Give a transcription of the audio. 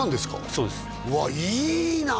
そうですうわいいなあ！